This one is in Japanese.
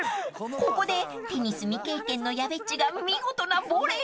［ここでテニス未経験のやべっちが見事なボレー］